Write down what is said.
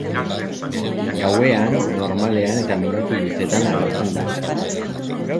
Gauean normalean eta minutu luzeetan agertzen da.